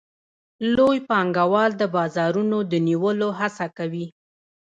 لوی پانګوال د بازارونو د نیولو هڅه کوي